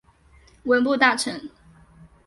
文部大臣。